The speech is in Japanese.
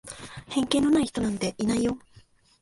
偏見のない人なんていないよ。